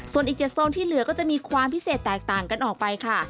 ส่วนอีก๗โซนที่เหลือก็จะมีความพิเศษแตกต่างกันออกไปค่ะ